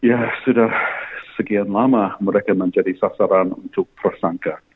ya sudah sekian lama mereka menjadi sasaran untuk tersangka